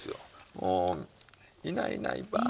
もう「いないいないばあ」